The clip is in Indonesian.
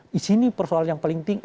di sini persoalan yang paling tinggi